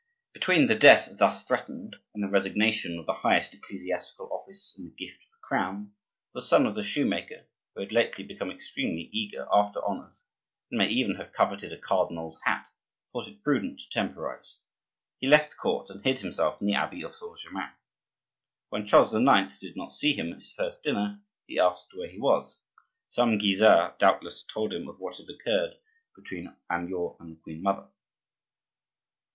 Between the death thus threatened and the resignation of the highest ecclesiastical office in the gift of the crown, the son of the shoemaker, who had lately become extremely eager after honors, and may even have coveted a cardinal's hat, thought it prudent to temporize. He left the court and hid himself in the abbey of Saint Germain. When Charles IX. did not see him at his first dinner, he asked where he was. Some Guisard doubtless told him of what had occurred between Amyot and the queen mother.